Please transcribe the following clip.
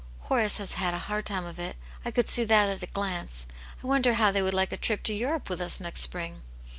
Horace has had a hard time of it; I could see that at a glance. I wonder how they would like a trip to Europe with us next Spring